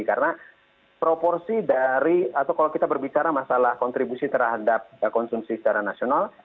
karena kalau kita berbicara masalah kontribusi terhadap konsumsi secara nasional